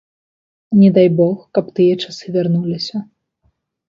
Не дай бог, каб тыя часы вярнуліся.